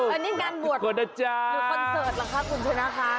อันนี้การหมวดคอนเซิร์ตหรือครับคุณชุนาคา